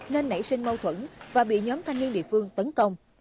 nên nảy sinh mâu thuẫn và bị nhóm thanh niên địa phương tấn công